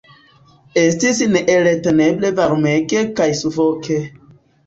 Estis neelteneble varmege kaj sufoke.